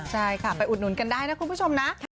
ใช่ค่ะไปอุดหนุนกันได้นะคุณผู้ชมนะ